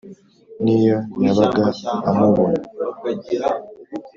n’iyo yabaga amubona